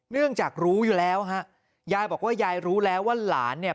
เนื่องจากรู้อยู่แล้วฮะยายบอกว่ายายรู้แล้วว่าหลานเนี่ย